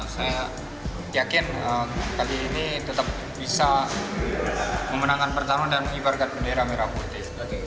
saya yakin kali ini tetap bisa memenangkan pertama dan mengibarkan bendera merah putih